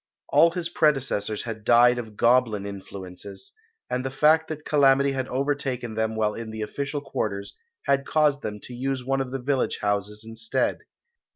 All his predecessors had died of goblin influences, and the fact that calamity had overtaken them while in the official quarters had caused them to use one of the village houses instead.